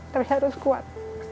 tapi saya harus kuat